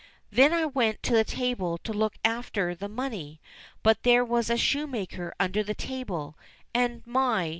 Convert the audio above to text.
"Then I went to the table to look after the money, but there was a shoemaker under the table, and my